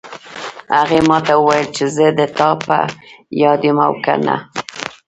هغې ما ته وویل چې زه د تا په یاد یم او که نه